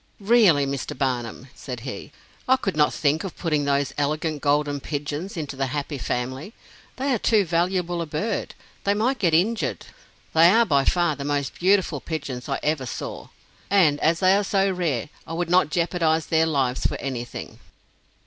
"Really, Mr. Barnum," said he, "I could not think of putting those elegant golden pigeons into the Happy Family they are too valuable a bird they might get injured they are by far the most beautiful pigeons I ever saw; and as they are so rare, I would not jeopardize their lives for anything."